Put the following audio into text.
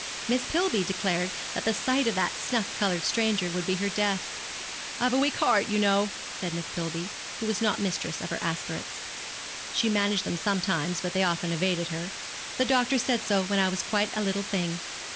Miss Pillby declared that the sight of that snuff coloured stranger would be her death. 'I've a weak 'art, you know,' said Miss Pillby, who was not mistress of her aspirates, she managed them sometimes, but they often evaded her, 'the doctor said so when I was quite a little thing.'